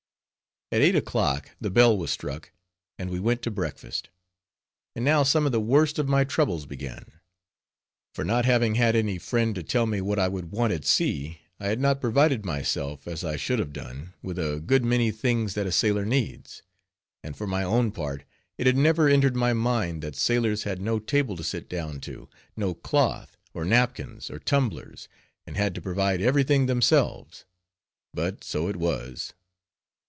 At eight o'clock the bell was struck, and we went to breakfast. And now some of the worst of my troubles began. For not having had any friend to tell me what I would want at sea, I had not provided myself, as I should have done, with a good many things that a sailor needs; and for my own part, it had never entered my mind, that sailors had no table to sit down to, no cloth, or napkins, or tumblers, and had to provide every thing themselves. But so it was.